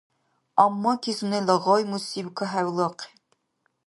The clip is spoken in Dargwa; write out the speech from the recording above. Аммаки сунела гъай мусиб кахӀевлахъи.